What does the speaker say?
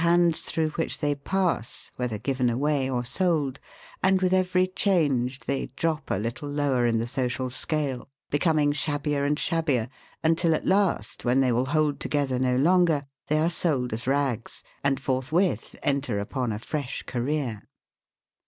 277 hands through which they pass, whether given away or sold, and with every change they drop a little lower in the social scale, becoming shabbier and shabbier, until at last, when they will hold together no longer, they are sold as rags, and forthwith enter upon a fresh career.